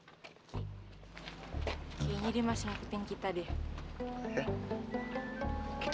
kayaknya dia masih ngikutin kita deh